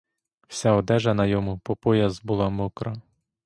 Вся одежа на йому по пояс була мокра.